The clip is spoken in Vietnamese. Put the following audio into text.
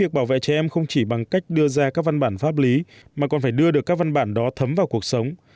trẻ em không chỉ bằng cách đưa ra các văn bản pháp lý mà còn phải đưa được các văn bản đó thấm vào cuộc sống